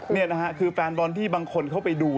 นี่นะฮะคือแฟนบอลที่บางคนเข้าไปดู